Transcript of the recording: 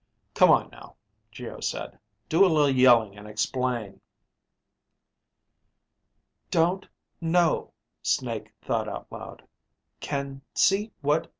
"Come on now," Geo said. "Do a little yelling and explain." Don't ... know, Snake thought out loud. _Can ... see ... what